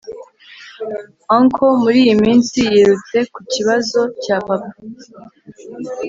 auncle muri iyo minsi yirutse ku ikibazo cya papa